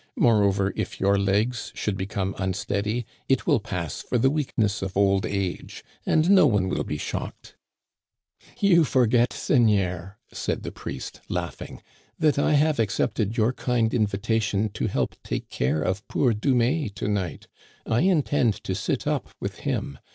Moreover, if your legs should become unsteady, it will pass for the weakness of old age, and no one will be shocked." "You forget, seigneur," said the priest, laughing, " that I have accepted your kind invitation to help take care of poor Dumais to night. I intend to sit up with him.